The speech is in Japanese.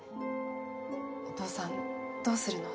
お父さんどうするの？